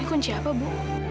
ini kunci apa bu